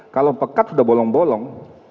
kalau pekat sudah bolong bolong